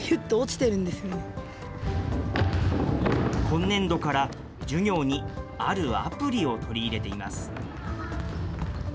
今年度から授業にあるアプリを取り入れています。